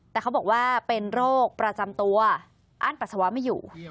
แต่เขาบอกว่าเป็นโรคประจำตัวอ้านปัสสาวะไม่อยู่